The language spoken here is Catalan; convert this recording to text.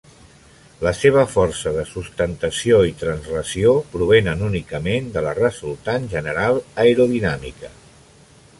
La seva força de sustentació i translació provenen únicament de la resultant general aerodinàmica.